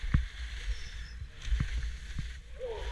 ঐ লোক ড্রপ বেচে, ইস্ট এন্ডে।